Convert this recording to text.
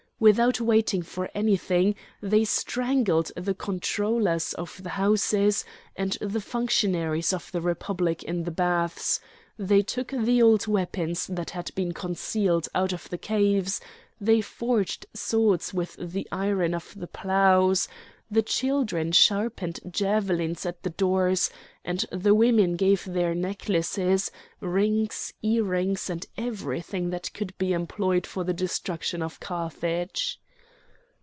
Without waiting for anything they strangled the comptrollers of the houses and the functionaries of the Republic in the baths; they took the old weapons that had been concealed out of the caves; they forged swords with the iron of the ploughs; the children sharpened javelins at the doors, and the women gave their necklaces, rings, earrings, and everything that could be employed for the destruction of Carthage.